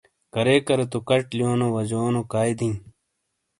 کارے کارے تو کَچ لِیونو وجونو کائی دِیں ۔